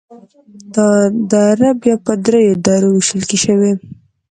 دا دره بیا په دریو درو ویشل شوي: